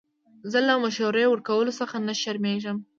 زه له مشورې ورکولو څخه نه شرمېږم.